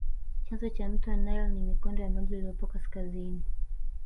Chanzo cha mto nile ni mikondo ya maji iliyopo kaskazini